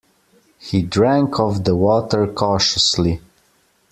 He drank of the water cautiously.